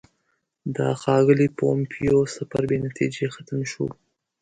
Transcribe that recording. د ښاغلي پومپیو سفر بې نتیجې ختم شو.